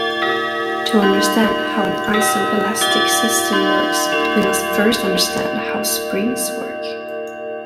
To understand how an iso-elastic system works, we must first understand how springs work.